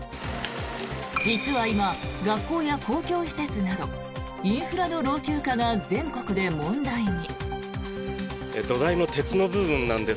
実は今、学校や公共施設などインフラの老朽化が全国で問題に。